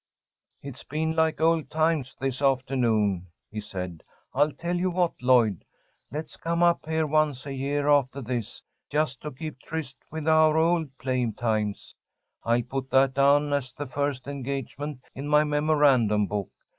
"It's been like old times this afternoon," he said. "I'll tell you what, Lloyd, let's come up here once a year after this, just to keep tryst with our old playtimes. I'll put that down as the first engagement in my memorandum book.